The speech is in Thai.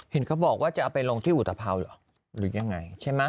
เห็นเขาบอกว่าจะเอาไปลงที่อุตภัวเหรอหรือยังไงใช่ไหม